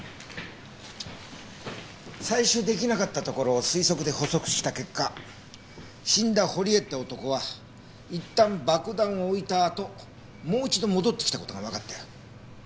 採取出来なかったところを推測で補足した結果死んだ堀江って男はいったん爆弾を置いたあともう一度戻ってきた事がわかったよ。